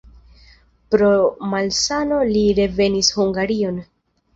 Pro malsano li revenis Hungarion.